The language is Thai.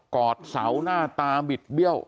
อดเสาหน้าตาบิดเบี้ยว